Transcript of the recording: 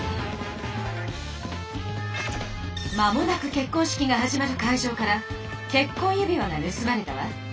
間もなく結婚式が始まる会場から結婚指輪が盗まれたわ。